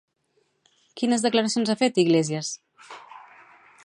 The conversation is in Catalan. Quines declaracions ha fet, Iglesias?